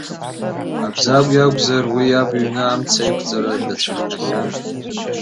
Абзагә иакәзар, уи иаб иҩны амца аиқәҵара дацәыхҟьахьан.